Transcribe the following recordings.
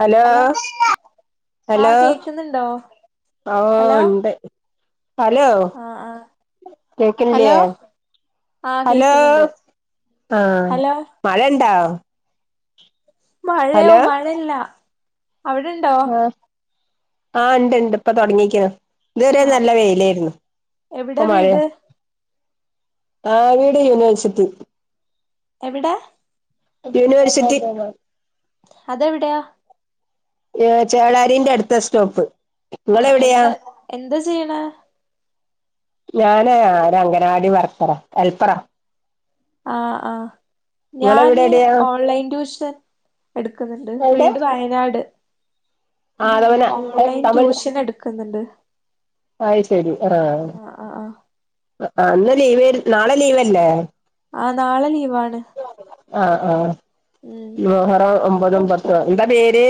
Hello ആ hello കേക്കുന്നുണ്ടോ hello ഓഹ് ഇണ്ട് ഹലോ ആ ആ കേക്കണില്ലേ ഹലോ ആ ഹലോ കേക്കുന്നുണ്ട് ആഹ് ഹലോ മഴ ഇണ്ടാ മഴയോ മഴ ഇല്ല അവിടെണ്ടോ ആഹ് ആഹ് ഇണ്ട് ഇണ്ട് ഇപ്പൊ തൊടങ്ങീക്കാ ഇത് വരെ ആ നല്ല വെയിലായിരുന്നു എവിടെ ഇപ്പൊ മഴയാ വീട് ആവീട് യൂണിവേഴ്സിറ്റി എവിടാ. University. അതെവിടെയ? ഏ ചേഴാരിന്റെ അടുത്ത സ്റ്റോപ്പ്. ആ ഇങ്ങളെവിടെയാ എന്താ, എന്താ ചെയ്യണെ ഞാ, നേ അംഗനവാടി വർക്കറ ഹെൽപ്പറ. ആഹ്, ആഹ് ഇങ്ങളെവിടെ ഞാന് എവിടെയാ ഓൺലൈൻ ട്യൂഷൻ എടുക്കുന്നുണ്ട് എവിടെ വീട് വയനാട്. ആദവന ഓൺലൈൻ ട്യൂഷൻ എടുക്കുന്നുണ്ട്. അയി ശരി ആഹ ആ ആ ആ അന്ന് ലീവ് നാളെ ലീവല്ലേ? ആഹ് നാളെ ലീവാണ്. ആഹ്, ആഹ് ഉം മോഹറോ ഒമ്പതുംപത്തും എന്താ പേര്?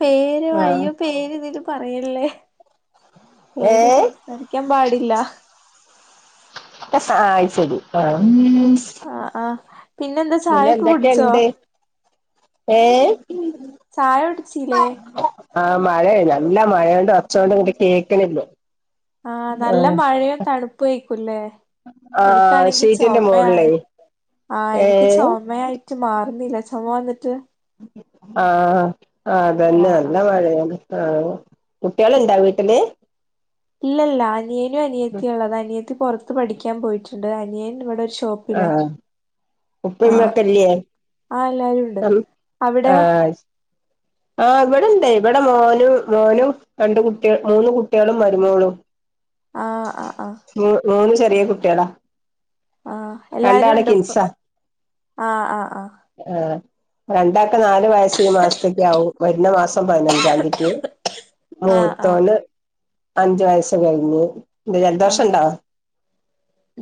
പേര് ആ അയ്യോ പേര്തില് പറയല്ലേ ഏ പേര് സംസാരിക്കാൻ പാടില്ല. പ സാ അയ്ശേരി ആ. ആ ആഹ്. പിന്നെന്താ പിന്ന ചായൊക്കെ കുടിച്ചോ എന്തൊക്കെണ്ട്? ഏ ചായ കുടിച്ചില്ലേ ആഹ് മഴേ നല്ല മഴേണ്ട് ഒച്ചെന്നും കിട്ടേയക്കണില്ല. ആഹ് നല്ല മഴേം തണുപ്പു ആയിക്കൂലേ ആ എനിക്കാണെങ്കി ഷീറ്റിന്റെ മോളിലേ ചൊമയാണ്. ആഹ് ഏ എനിക്ക് ചൊമയായിട്ട് മാറുന്നില്ല ചുമ വന്നിട്ട്. ആഹ് അതന്നെ ആഹ് നല്ല ആഹ് മഴയാണ്. ആഹ് കുട്ട്യളുണ്ടാ വീട്ടില്. ഇല്ലല്ല അനിയനും അനിയത്തിയഉള്ളത് അനിയത്തി പൊറ ത്ത് പഠിക്കാൻ പോയിട്ടുണ്ട്. അനിയൻ ഇവിടെ ഒരു ഷോപ്പ് ആഹ് ഉപ്പമ്മെക്കല്യേ ആഹ് എല്ലാരും ഉണ്ട് ആഹ് അവിടെയോ അയ് അഹ് ഇവിടെണ്ട് ഇവിടെ മോനും മോനും രണ്ട് കുട്ടിക മൂന്ന് കുട്ട്യളും മരുമോളും. ആഹ് ആ ആഹ് മ് മൂന്ന് ചെറിയ കുട്ട്യളാ. ആഹ് എല്ലാരും ഉണ്ട് ഇപ്പൊ കിൻസാ ആഹ്, ആഹ്, ആഹ് ആഹ് രണ്ടാക്ക് നാല് വയസ് ഈ മാസത്തേക്കാവും വരുന്ന മാസം പതിനഞ്ച്. ചാന്തിക്ക് ആഹ് ആഹ് മൂത്തോന് അഞ്ച് വയസ്സ് കഴിഞ്ഞ്. [unintelligible] ജദോഷം ആഹ് ഉണ്ടോ?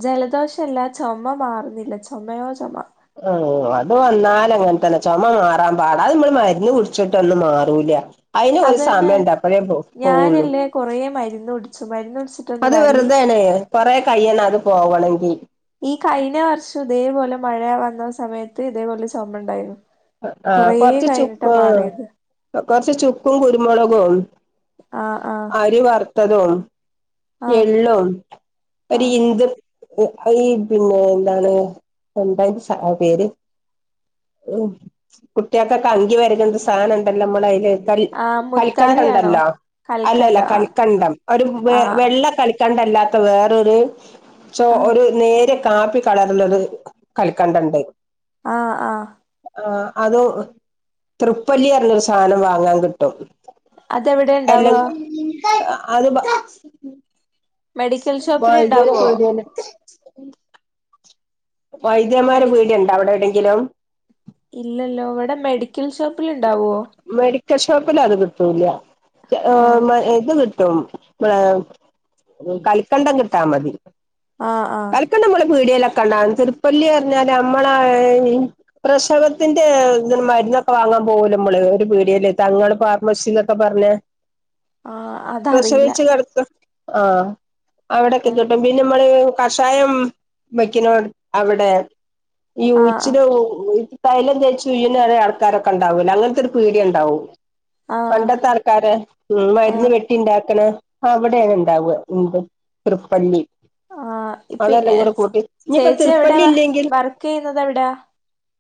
ജലദോഷല്ല ചൊമ മാറുന്നില്ല ചൊമയോ ചൊമ. അഹ് അത് വന്നാലങ്ങനെ തന്ന ചൊമ മാറാൻ പാടാ അത് നമ്മൾ മരുന്ന് കുടിച്ചിട്ട് ഒന്നും മാറൂല. അയിന് ഒരു അതന്നെ സമയൊണ്ട് അപ്പഴേ പോ, പോവുള്ളു ഞാനല്ലേ കൊറേ മരുന്ന് കുടിച്ചു മരുന്ന് കുടിച്ചിട്ടൊന്നും അത് കാര്യല്ല വെറുതെയാണെ. കൊറെകയ്യണം അത് പോവണെങ്കി. ഈ കഴിഞ്ഞ വർഷം ഇതേപോലെ മഴ വന്ന സമയത്ത് ഇതേപോലെ ചൊമ ഉണ്ടായിരുന്നു. ആഹ് കൊറേ കൊറച്ചു കഴിഞ്ഞിട്ടാ ചുക്ക് മാറിയത് കൊർച്ച് ചുക്കും കുരുമുളകും ആഹ് ആഹ് അരി വറുത്തതും. ആഹ് എള്ളും ഒരു ആഹ് ഇന്ദ് ഈ പിന്നെ എന്താണ് എന്താ ശ അതിന്റെ പേര്. ഉ കുട്ടിയക്കക്കെ അങ്കി വരണണ്ട് സാന ഉണ്ടല്ലോമ്മള അയില് കൽ, ആഹ് കൽക്കണ്ട മുത്താറിയാണോ ഉണ്ടല്ലോ അല്ലല്ല കൽക്കണ്ടം ആഹ് കൽക്കണ്ടം ആ ഒരു ആഹ് വെള്ള കൽ കണ്ടല്ലാത്ത വേറൊരു ചോ ആഹ് ഒരു നേരി കാപ്പി കളറ്ലൊരു ക് കൽക്കണ്ടണ്ട് ആഹ് ആഹ് ആഹ് അതൊ തൃപ്പല്ല്യർഞ്ഞൊര് സാധനം വാങ്ങാൻ കിട്ടും അതെവ്ടെണ്ടാവ ആഹ് അത് ബാ മെഡിക്കൽ ഷോപ്പിൽ വൈദ്യരെ ഇണ്ടാവോ പീട്യെല് വൈദ്യന്മാരെ മെഡി പീട്യാണ്ടോ അവ്ടെവ്ടെങ്കിലും ഇല്ലല്ലോ ഇവ്ടെ മെഡിക്കൽ ഷോപ്പ് മെഡിക്കൽ ഷോപ്പിലത് കിട്ടൂല്യാ ചെ ആഹ് മ ഇത് കി ട്ടും വേം ഉം കൽക്കണ്ടങ്ക്ട്ടാ മതി ആഹ് ആഹ് ‌ക്കെനമ്മള് പീട്യയ്ല‌ക്കെണ്ടാവും തിർപ്പല്ല്യർഞ്ഞാല്മ്മളെ ഏഹ് പ്രസവത്ത്ന്റെ ന്താ മര്ന്നക്കെ വാങ്ങാൻ പോവല്ലൊമ്മള് ഒര് പീട്യല് തങ്ങള് ഫാർമസിന്നക്കെ പറഞ്ഞ ആഹ് അതറിയില്ല പ്രസവ്ച്ച് കെടക്ക്വാ ആഹ് അവിടെക്കെ ആഹ് കിട്ടും പിന്നമ്മള് കഷായം വെക്ക്നൊട് അവ്ടെ ഈ ആഹ് ഉയ്ച്ച്ലൊ ഈ തൈലം തേച്ചുയ്ന്നല്ലേ ആൾക്കാരൊക്കെ ക്കണ്ടാവൂലേ അങ്ങനത്തെര് പീട്യണ്ടാവും ആഹ് പണ്ടത്തെ ആൾക്കാരെ ഉം ആഹ് മര്ന്ന് മേടി ‌ക്കെണ്ടാക്കണ അവിടെയാണ്ടാവ്വാ ഉംത് തൃപ്പല്ലി ആഹ് ഇപ്പെ അതെല്ലാം ഏഹ് കൂടെ ച് കൂട്ടി ഇനിയിപ്പോ ചേച്ചി തൃപ്പല്ലി എവിടെയാ വർക്ക് ചെയ്യുന്നത് എവിടാ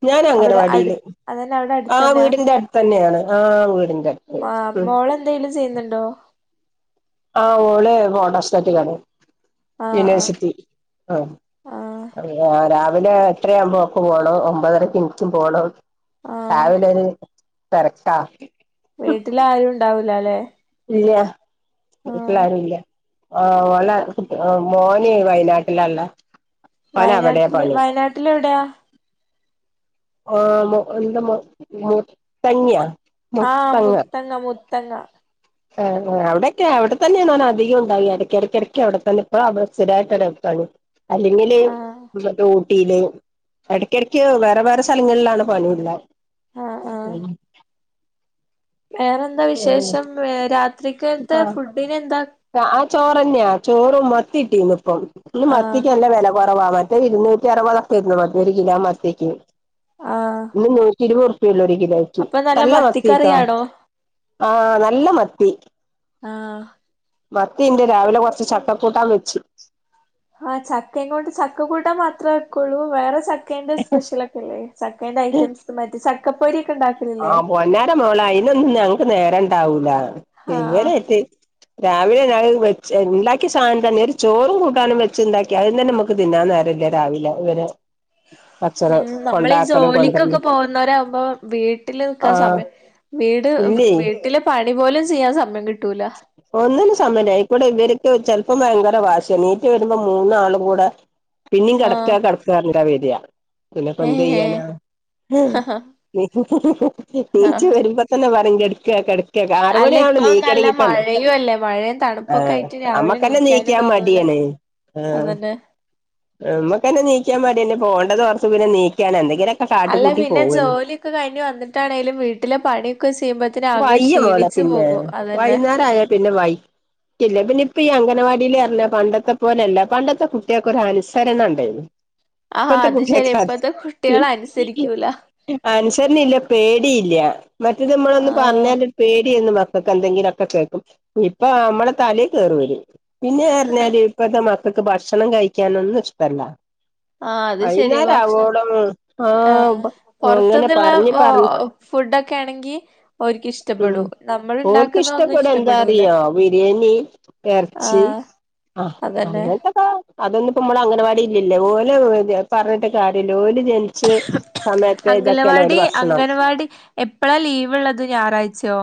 ഞാനഅംഗനവാടീല് അതെന്നെ അവ്ടട് ആഹ് വീടിന്റെ അടുത്തന്നെയാണ് ആഹ് വീടിന്റെ അടുത്ത് ഉം ന്തേലും ചെയ്യ്‌ന്ന്ണ്ടോ ആഹ് ഓളെ ഫോട്ടോസ്റ്റാറ്റ് കടയാ ആഹ് ആഹ് യുണിവേഴ്സിറ്റി ആഹ് ആഹ് അപ്പ രാ രാവിലെ എട്ടരയാവുമ്പോ ഓക്ക് പോണം ഒമ്പതരക്ക് എൻക്കും പോണം ആഹ് രാവിലൊര് തെരക്കാ വീട്ടില് ആരുംണ്ടാവൂലല്ലേ ഇല്ലാ വീട്ടിലാരും ഇല്ല ആഹ് ഓലെ ആഹ് മോനേയ് വയനാട്ടിലാള്ളേ പ്പാനവ്ടെയാ വയനാട്ടില് പണി വയനാട്ടില് എവിടെയാ ഓഹ് അഹ് മു ന്താ മ് മുത്തങ്ങ്യാ ആഹ് മുത്തങ്ങ മുത്തങ്ങ ആഹ് ആഹ് അവിടെക്ക്യാ അവിടെ തന്നെയാണ് ഞാനധികം ഉണ്ടാവ്വാ എടക്കെട‌ക്കെടക്ക് അവിടെ തന്നിപ്പൊ അവ്ടെ സ്ഥിരായിട്ട് ട്ടാണ് ആഹ് അല്ലെങ്കിലെങ്ങട്ട് പോന്ന് ട്ടീന് എടക്കെടക്ക് വേറെ വേറെ സ്ഥലങ്ങള്ലാണ് പണിയ്ള്ളേ ആഹ് വേറെ എന്താ വിശേഷം ഏഹ് രാത്രിക്കൽത്തെ ഫുഡിനെന്താ ആഹ് ആഹ് ചോറന്യാ ചോറും മത്തി കിട്ടീന്പ്പം ഇന്ന് ആഹ് മത്തിക്ക്നല്ല വെല കൊറവാമറ്റ് റ്റെഇരുന്നൂറ്റി അറുപതക്കെ ആരുന്നു മത്തി ഒരു കിലോ മത്തിക്ക് ആഹ് ഇന്ന് നൂറ്റി ഇരുപത് റു പ്പ്യൊള്ളൊര് കിലോയ്ക്ക് അപ്പൊ നല്ല മത്തീട്ടാ മത്തിക്കറിയാണോ ആഹ് നല്ല മത്തി ആഹ് മത്തീണ്ട് രാവിലെ കൊറച്ച് ചക്കകൂട്ടാൻ വെച്ച് ആഹ് ചക്കേം കൊണ്ട് ചക്ക കൂട്ടാൻ മാത്രേ വെക്ക്വൊള്ളൂ വേറെ ചക്ക ക്കേന്റെ സ്പെഷ്യലക്കെല്ലേ ചക്കേന്റെ ഐറ്റംസ് മറ്റേ ചക്കപ്പൊരിക്കെണ്ടാക്ക് ആഹ് പൊന്നാരമോളെ അയ്നൊന്നും ഞങ്ങ്ക്ക് നേരണ്ടാവൂല ആഹ് ഇവരെത്തി രാവിലെ ഞാന് വെച്ച് ണ്ടാക്ക്യ സാധനം തന്നെ ഒര് ചോറും കൂട്ടാനും വെച്ച്ണ്ടാക്കി അതന്നെ നമക്ക് ക്ക്തിന്നാൻ നേരല്ല്യ രാവിലെ ഇവരെ ഭക്ഷണം ഉം നമ്മളീ കൊണ്ടാക്കലും ജോലിക്കക്കെ കൊണ്ടരലും പോവുന്നവരാമ്പോ വീട്ടില് നിക്കാൻ ആഹ് സമയം വീട് എഹ് ഇല്ലേ വീട്ടില് പണി പോലും ചെയ്യാൻ സമയം കിട്ടൂല ഒന്നിനും സമയ്ല്ല അയ്ക്കൂടെ ഇവര്ക്ക് ചെലപ്പോ ഭയങ്കര വാശ്യാ നീറ്റ് വരുമ്പോ മൂന്നാളും കൂടെ പിന്നേം കെടക്ക്യ ആഹ് കെടക്കാന്നർഞ്ഞ്ട്ടാ വര്യാ പിന്നെപ്പോ ഏഹ് എന്തെയ്യാനാ ആഹ് നീച്ച് വരുമ്പോ തന്നെ പറയും കെടക്കാ കെടക്കാ അല്ല ആറ്മണി ആവണം ഇപ്പം നല്ല നീക്കണെങ്കി തന്നെ മഴയും അല്ലേ മഴയും തണുപ്പൊക്കെ ആഹ് ആയിട്ട് രാവിലെ അമ്മക്കന്നെ എണീക്കാനും നീക്കാൻ തോന്നൂല മടിയാണ് ആഹ് അതന്നെ നമ്മുക്കന്നെ നീക്കാൻ മടിയാണ് പോണ്ടതോർത്ത് പിന്നെ നീക്കാണ് എന്തെങ്കിലൊക്കെ അല്ല കാട്ടിക്കൂട്ടി പിന്നെ പോവന്നെ ജോലിയൊക്കെ കഴിഞ്ഞ് വന്നിട്ടാണേലും വീട്ടില് പണിയൊക്കെ ചെയ്യുമ്പോത്തേന് ആകെ ത്യ [unintelligible] പോലെ ക്ഷീണിച്ചു പിന്നെ പോകും അതന്നെ വൈന്നേരം ആയ പിന്നെ വൈ ഇല്ല പിന്നെ ഇപ്പ ഈ അംഗനവാടീല് പറഞ്ഞാ പണ്ടത്തെ പോലല്ല പണ്ടത്തെ കുട്ടികെ ഒരനുസരണണ്ടേനു ആഹ് അത് ശരി ഇപ്പത്തെ കുട്ടികള് ഈ അനുസരിക്കൂല അനുസരണയില്ല പേടീല മറ്റേത് നമ്മളൊന്ന് ആഹ് പറഞ്ഞാല് പേടി ഇപ്പൊ എന്തെങ്കിലുക്കെ കേൾക്കും ഇപ്പ നമ്മളെ തലേ കേറും അവര് പിന്നെ പറഞ്ഞാല് ഇപ്പത്തെ മക്കൾക്ക് ഭക്ഷണം കഴിക്കാനൊന്നും ഇഷ്ടല്ല ആഹ് അത് ശരിയാ വൈന്നേരം ഭക്ഷണം ആവോളം ആഹ് അങ്ങനെ പൊറത്തുന്നുള്ള പറഞ്ഞ് ഓ പറഞ്ഞ് ഫുഡൊക്കെ ആണെങ്കി ഓര്ക്ക് ഉം ഇഷ്ടപ്പെടും നമ്മൾ ഓര്ക്ക് ഇണ്ടാക്കുന്ന ഒന്നും ഇഷ്ടപ്പെടാ എന്താ ഇഷ്ടപ്പെടൂല അറിയോ ബിരിയാണി എറച്ചി ആഹ് ആഹ് അതന്നെ അങ്ങനത്തൊക്കെ അതൊന്നും ഇപ്പ ഇമ്പളെടെ അംഗനവാടില് ഇല്ലല്ലോ ഓല പറഞ്ഞിട്ട് കാര്യല്ലഓ ല ജനി ച്ച് സമയത്തെ ഇതൊക്കെയാണ് അവരടെ അംഗലവാടി ഭക്ഷണം അംഗനവാടി എപ്പളാ ലീവ് ഇള്ളത് ഞായറാഴ്ച്യോ?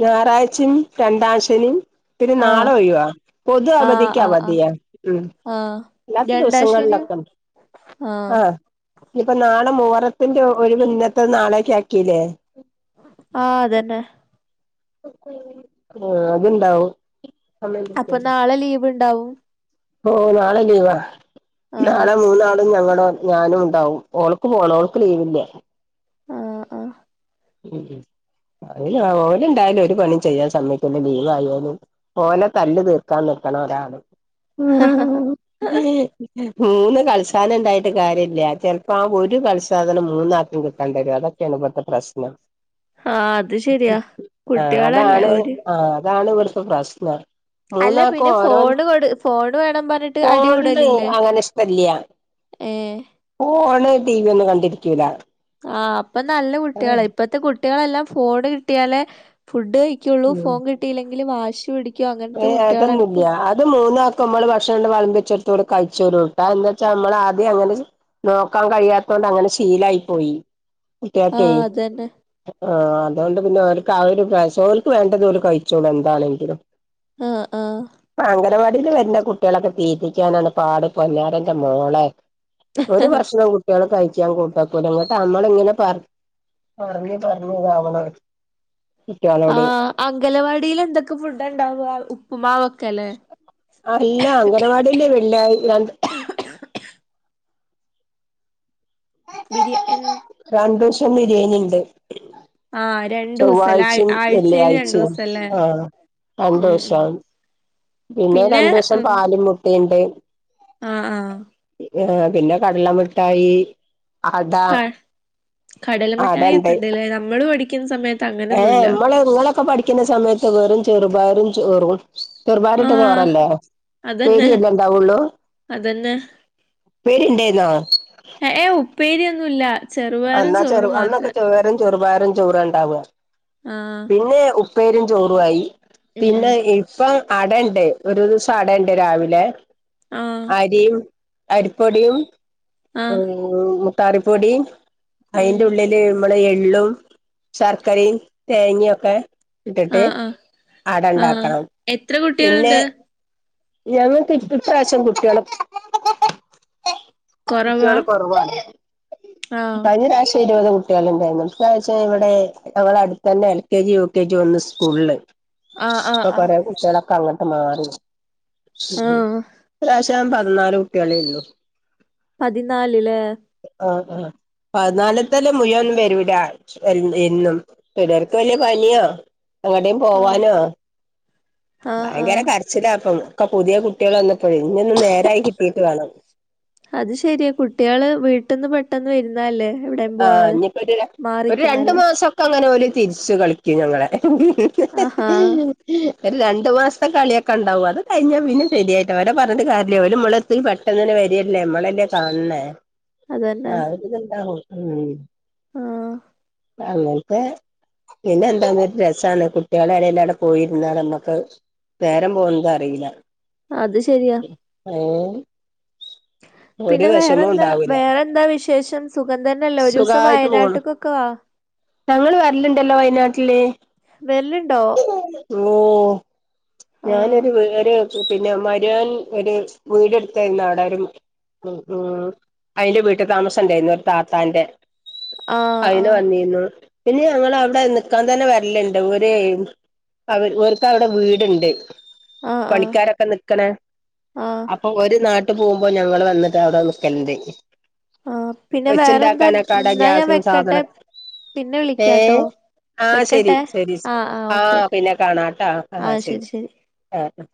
ഞായറാഴ്ചേം രണ്ടാംശനീം പിന്നെ ആഹ് നാളെ ഒഴിവാ പൊതു ആഹ് അവധിക്ക് ആഹ് ആഹ് അവധിയാ ഉം ആഹ് അല്ലാത്ത രണ്ടാം ശനിയും ദോസങ്ങളിലൊക്കെ ഇണ്ട് ആഹ് ഇനി ഇപ്പൊ നാളെ മൊഹറത്തിന്റെ ഒഴിവ് ഇന്നത്തേത് നാളെക്ക് ആക്കിയില്ലേ ആ അതന്നെ ഹ് ആ അത്ണ്ടാവും അപ്പൊ നാളെ ലീവിണ്ടാവും ഓ നാളെ ലീവാ ആഹ് നാളെ മൂന്നാളും ഞങ്ങളോ ഞാനും ഉണ്ടാവും ഓൾക്ക് പോണം ഓൾക്ക് ലീവില്ല ആഹ് ഉം ഹു ഓല് ഓലിണ്ടായാലും ഒരു പണിയും ചെയ്യാൻ സമ്മയ്ക്കൂല്ല ലീവ് ആയാലും ഓലെ തല്ല് തീർക്കാൻ നിക്കണൊരാള് ഹ ഹ ഹാ മൂന്ന് കൾസാനിണ്ടായിട്ട് കാര്യല്ല ചെൽപ്പോ ആ ഒരു കൽസാധനം മൂന്നാക്കും കിട്ട കണ്ടരതൊക്കെയാണിവിടുത്തെ പ്രശ്നം ആഹ് അത് ശരിയാ ആ കുട്ടികളല്ലേ അതാണ് ഓര് ആ അതാണിവിടിപ്പോ പ്രശ്നം അല്ല മൂന്നാക്കും പിന്നെ ഓരോന്ന് ഫോണ് കൊടു ഫോണ് വേണം പറഞ്ഞിട്ട് ഫോണിന് അടിക്കൂടലില്ലേ അങ്ങനെ ഇഷ്ടല്ല ഏഹ് ഫോണ് ടീവിയൊന്നും കണ്ടിരിക്കൂല ആ അപ്പൊ നല്ല കുട്ടിയളാ ഇപ്പത്തെ കുട്ടിയളെല്ലാം ഫോണ് കിട്ടിയാലേ ഫുഡ് കയി ക്കുള്ളൂ ഫോൺ കിട്ടയില്ലെങ്കില് വാശി പിടി ഏ അതൊന്നില്ല അത് മൂന്നാ ക്കു മ്മള് ഭഷണ്‌ല്ലാം വളമ്പിച്ചെടുത്തിവിടെ കഴിച്ചോരു ട്ടാ എന്താച്ചാ നമ്മളാദ്യേ അങ്ങനെ നോക്കാൻ കഴിയാത്തോണ്ടങ്ങനെ ശീലായി പോയി കുട്ടിയക്കെ തന്നെ ആ അതോണ്ട് പിന്നെ അവർക്ക് ആ ഒരു പ്രായാസോൽക്ക് വേണ്ടതോല് കയ്ച്ചോളൂ എന്താലെങ്കിലും ആഹ് ആഹ് അ അംഗനവാടീല് വര്ന കു കുട്ടിയളൊക്കെ തീറ്റിക്കാനാണ് പാട് പൊന്നാരന്റെ മോളെ ഒരു വർഷം കുട്ടിയള് കയ്ക്കാൻ കൂട്ടാക്കൂലങ്ങട്ടമ്മളിങ്ങനെ പറ പറഞ്ഞ് പറഞ്ഞിതാവണ ആ അംഗലവാടീലെന്തൊക്കെ ഫുഡ ഇണ്ടാവ ഉപ്പ്മാവൊക്കെയല്ലേ അല്ല അംഗനവാടീലെ വെള്ളിയാ രണ്ട് ബിരി എൻ രണ്ടൂഷം ബിര്യേനിണ്ട് ആഹ് രണ്ടു ദിവസല്ലേ ആഴ് ചൊവ്വായ്ച്ചിം ആഴ്ചയില് രണ്ടു വെള്ളിയായ്ച്ചിം ദിവസല്ലേ ആഹ് ഉം ഉം രണ്ടൂസം. പിന്നെ രണ്ടൂസം പാലും മുട്ടിണ്ട്. അഹ് ആഹ് ആഹ് പിന്നെ കടല മിഠായി. അട ക കടല അടണ്ട് മിഠായെക്കെണ്ട്ല്ലേ നമ്മള് പഠിക്ക്ന്ന സമയ ഏഹ് മ്മള് നിങ്ങളൊക്കെ പഠിക്ക്ന്ന സമയത്ത് വെറും ചെറുപയറും ചെറും ചെറുപയറിട്ട ആഹ് ചോറല്ലേ പേര്യല്ലേണ്ടാവൊള്ളൂ? അതെന്നെ പേരിണ്ടേര്ന്നോ? എഹ് ഏഹ് ഉപ്പ പ്പേര്യൊന്നൂല്ല. അന്നാ ചെറു അന്നൊക്കെ ചോറും ചെറുപയറും ചോറാണ്ടാവ ആഹ് പിന്നെ ഉപ്പേരിം ചോറ്വായി. ഉം പിന്നെ ഇപ്പം അടണ്ട് ഒരു ദിവസം അടണ്ട് രാവിലെ ആഹ് അരിം അരിപ്പൊടിയും ആഹ് ഉം ഉം മുത്താറിപ്പൊടിം ഉം അയിന്റുള്ളി ല് മ്മളെ എള്ളും ശർക്കരിം തേങ്ങ്യൊക്കെ ഇട്ട്ട്ട് ആഹ് ആഹ് ആഹ് അടണ്ടാക്കണം എത്ര പിന്നെ കുട്ടികളുണ്ട് ഞങ്ങക്കി ഇപ്രാശം കുട്ട്യെള് കൊറവാ കുട്ട്യെള് കൊറവാണ്. ആഹ് കയിഞ്ഞ പ്രാശ്യം ഇരുപത് കു ട്ട്യെള്ണ്ടെന്നു ഇപ്രാശ്യം ഇവടെ ഞങ്ങളട്ത്തെന്നെ L K G, U K G വന്ന് സ്കൂളില്. ആഹ് ആഹ് അപ്പ കൊറെ ആഹ് കുട്ട്യേളൊക്കെ അങ്ങട്ട് മാറി. [unintelligible] ആഹ് ഇപ്രാശ്യം പതിനാല് കുട്ട്യേളേ ഒള്ളൂ. പതിനാല് ല്ലേ ആഹ് ആഹ് പതിനാല്ത്തെന്നെ മുയ്‌വൊന്നും വെരൂല. അന്ന് എന്നും ചിലർക്ക് വെല്ല്യെ പനിയോ എങ്ങട്ടേം ആഹ് പോവാനോ ആഹ് ഭയങ്കര ആഹ് കര്ച്ചിലാ അപ്പം ഒക്കെ പുത്യേ കുട്ട്യെള് വന്നപ്പഴേ ഇഞൊന്ന് നേരായി കിട്ടിട്ട് വാണം. അത് ശെര്യാ കുട്ട്യെള് വീട്ട്ന്ന് പെട്ടന്ന് വെര്ന്നല്ലേ. ആഹ് ഇഞ്പ്പോര് ര ഒര് രണ്ട് മാസൊക്കങ്ങനോല് തിരിച്ച് കളിക്കും ഞങ്ങളെ ആഹാ ഒര് രണ്ട് മാസത്തെ കള്യക്കെണ്ടാവും അത് കഴിഞ്ഞാ പിന്നെ ശരിയായിട്ട് ഓരെ പർഞ്ഞിട്ട് കാര്യല്ല ഓല് മ്മള് ഇ പെട്ടെന്ന്ന്നെ വെര്യല്ലേ അമ്മളല്ലേ കാൺണേ അതന്നെ ആഹ് അതൊക്കെ കൊണ്ടാണ് ഉം ആഹ് അങ്ങൻത്തെ പിന്നെന്താ ങ്ങനെ രസാണ് കുട്ട്യെളെ [unintelligible] പോയിര്ന്ന നമ്മക്ക് നേരം പോവുന്നതറീല്ല. അത് ശരിയാ ആഹ് പിന്നെ വേറെന്താ ഉണ്ടാവൂല വേറെന്താ വിശേഷം സുഖംതന്നല്ലേ ഒരുസം സുഖായിട്ട് പോണു വയനാട്ട്ക്കൊ ക്ക ഞങ്ങള് വെര്ല്ണ്ടല്ലോ വയനാട്ടില് വെര്ല്ണ്ടോ ഓഹ് ആഹ് ഞാനൊരു വീട് വെച്ചു പിന്നെ മര്യാൻ ഒര് വീട് ട്ത്തെന്ന വടാരും ഉം ഉം അയിന്റെ വീട്ട് താമസണ്ടേന്നു ആ താത്താന്റെ ആഹ് അയ്ന് ആഹ് വന്നിന്നു പിന്നെ ഞങ്ങളവടെ നിക്കാൻ തന്നെ വെര്ല്ണ്ട് ഒരേയ് അവർ ഇവർക്കവടെ വീട്ണ്ട്. ആഹ് ആഹ് പണിക്കാരൊക്കെ നിക്കണേ ആഹ് അപ്പൊ ഒര് നാ ട്ട് പോവുമ്പോ ഞങ്ങള് വന്ന്ട്ടവടെ നിക്കല്ണ്ട് ആഹ് പിന്നെ വേറെന്താ വച്ച്ണ്ടാക്കാനൊക്കവടെ ന്നാ ഞാൻ ഗ്യസും വെക്കട്ടെ സാധന പിന്നെ വിളിക്കാട്ടോ. ആഹ് ശരി വെക്കട്ടെ ശരി ആഹ് ഓക്കെ ആഹ് ഓക്കെ പിന്നെ കാണാട്ടാ ആഹ് ശരി ആഹ്